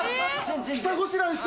下ごしらえして！